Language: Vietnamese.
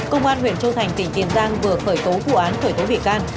công an huyện châu thành tỉnh tiền giang vừa khởi tố vụ án khởi tố bị can